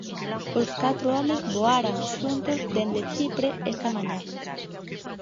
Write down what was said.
Os catro homes voaran xuntos dende Chipre esa mañá.